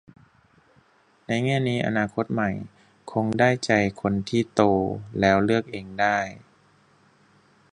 ในแง่นี้อนาคตใหม่คงได้ใจคนที่ โตแล้วเลือกเองได้